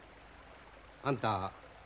あんた